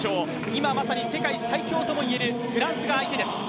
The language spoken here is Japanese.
今まさに世界最強とも言えるフランスが相手です。